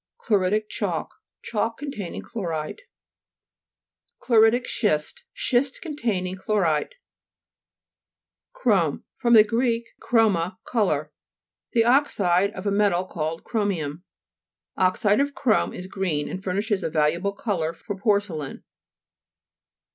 CHLO'HITIC CHALK Chalk contain ing chlorite. CHLO'RITIC SCHIST Schist contain ing chlorite. CHROME fr. gr. chroma, colour. The oxide of a rnetal called chro mium. Oxide of Chrome is green and furnishes a valuable colour for porcelain.